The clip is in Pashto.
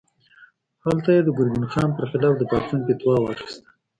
هلته یې د ګرګین خان پر خلاف د پاڅون فتوا واخیسته.